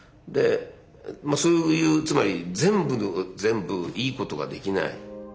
そういうつまり全部が全部いいことができない。